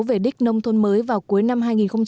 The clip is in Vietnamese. về đích nông thôn mới vào cuối năm hai nghìn một mươi chín